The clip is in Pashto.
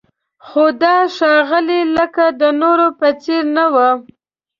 خو دا ښاغلی لکه د نورو په څېر نه و.